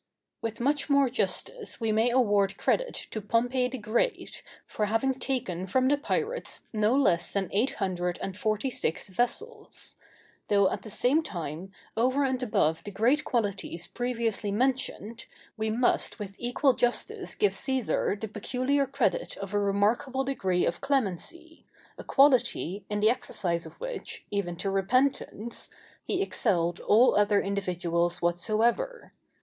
With much more justice we may award credit to Pompey the Great for having taken from the pirates no less than eight hundred and forty six vessels: though at the same time, over and above the great qualities previously mentioned, we must with equal justice give Cæsar the peculiar credit of a remarkable degree of clemency, a quality, in the exercise of which, even to repentance, he excelled all other individuals whatsoever.